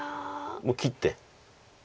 もう切って。